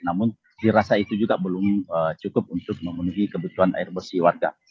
namun dirasa itu juga belum cukup untuk memenuhi kebutuhan air bersih warga